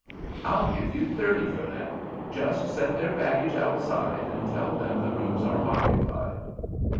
"I'll give you thirty for them. Just set their baggage outside and tell them the rooms are occupied."